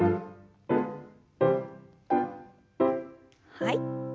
はい。